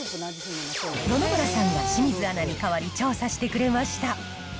野々村さんが清水アナに代わり、調査してくれました。